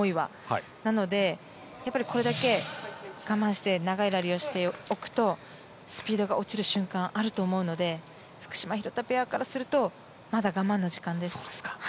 なので、これだけ我慢して長いラリーをしておくとスピードが落ちる瞬間があると思うので福島、廣田ペアからするとまだ我慢の時間です。